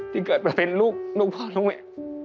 ที่เกิดมาเป็นลูกพ่อลูกแม่